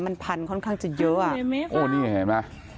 มันพันค่อนข้างจะเยอะอ่ะโอ้นี่เห็นไหม